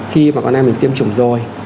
khi mà con em mình tiêm chủ rồi